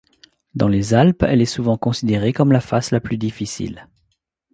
Dans les Alpes, elle est souvent considérée comme la face la plus difficile.